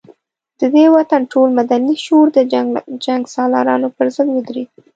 د دې وطن ټول مدني شعور د جنګ سالارانو پر ضد ودرېد.